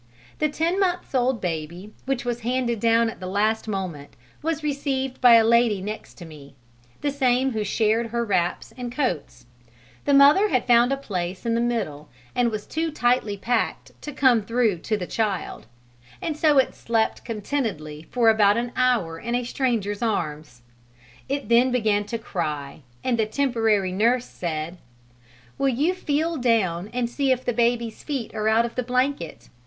The ten months' old baby which was handed down at the last moment was received by a lady next to me the same who shared her wraps and coats. The mother had found a place in the middle and was too tightly packed to come through to the child, and so it slept contentedly for about an hour in a stranger's arms; it then began to cry and the temporary nurse said: "Will you feel down and see if the baby's feet are out of the blanket!